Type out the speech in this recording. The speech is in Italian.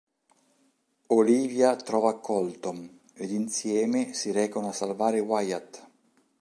Olivia trova Colton ed insieme si recano a salvare Wyatt.